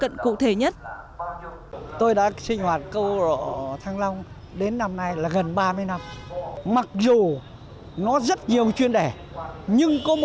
lệnh bắt bị can